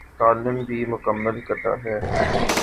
Column بھی مکمل کرنا ہے۔